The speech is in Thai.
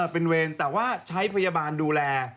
อ๋อเป็นเวรแต่ใช้พยาบาลดูแล